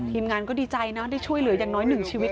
งานก็ดีใจนะได้ช่วยเหลืออย่างน้อยหนึ่งชีวิต